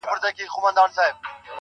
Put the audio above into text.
خو وخته لا مړ سوى دی ژوندى نـه دی.